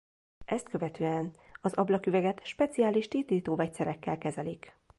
Ezt követően az ablaküveget speciális tisztító vegyszerekkel kezelik.